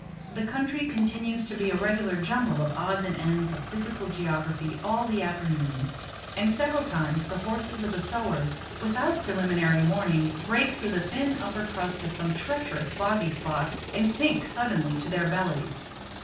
The country continues to be a regular jumble of odds and ends of physical geography all the afternoon, and several times the horses of the sowars, without preliminary warning, break through the thin upper crust of some treacherous boggy spot and sink suddenly to their bellies.